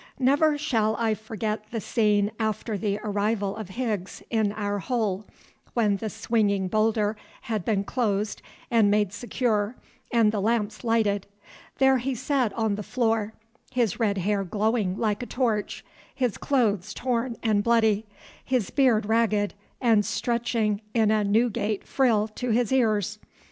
Never shall I forget the scene after the arrival of Higgs in our hole, when the swinging boulder had been closed and made secure and the lamps lighted. There he sat on the floor, his red hair glowing like a torch, his clothes torn and bloody, his beard ragged and stretching in a Newgate frill to his ears.